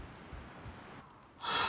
はあ。